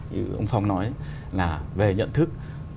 như ông phong nói là về nhận thức